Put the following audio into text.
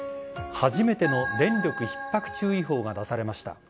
初めての電力ひっ迫注意報が出されました。